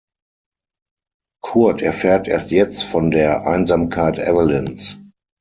Kurt erfährt erst jetzt von der Einsamkeit Evelyns.